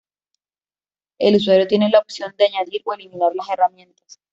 El usuario tiene la opción de añadir o eliminar las herramientas.